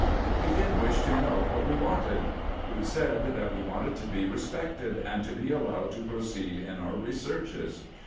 He then wished to know what we wanted. We said, that we wanted to be respected, and to be allowed to proceed in our researches.